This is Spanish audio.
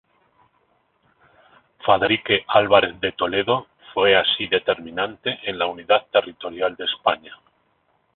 Fadrique Álvarez de Toledo fue así determinante en la unidad territorial de España.